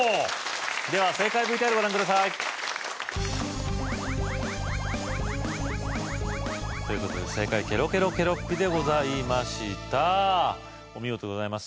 では正解ＶＴＲご覧くださいということでけろけろけろっぴでございましたお見事でございます